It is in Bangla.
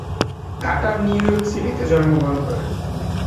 কাটার নিউ ইয়র্ক সিটিতে জন্মগ্রহণ করেন।